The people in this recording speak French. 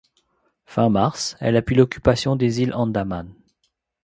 Fin mars, elle appuie l'occupation des iles Andaman.